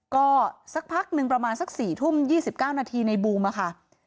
ก็สักพักหนึ่งประมาณสัก๔ทุ่ม๒๙นาทีในบูมค่ะ